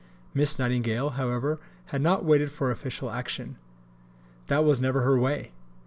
Miss Nightingale, however, had not waited for official action. That was never her way.